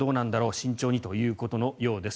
慎重にということのようです。